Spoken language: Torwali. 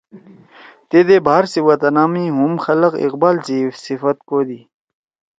تیدے بھار سی وطنا می ہُم خلگ اقبال سی صفت کودی